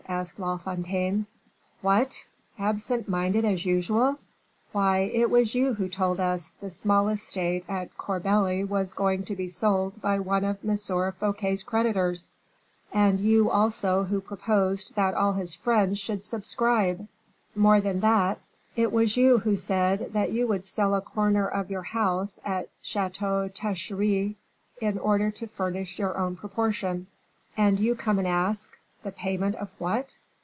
asked La Fontaine. "What! absent minded as usual! Why, it was you who told us the small estate at Corbeli was going to be sold by one of M. Fouquet's creditors; and you, also, who proposed that all his friends should subscribe more than that, it was you who said that you would sell a corner of your house at Chateau Thierry, in order to furnish your own proportion, and you come and ask '_The payment of what?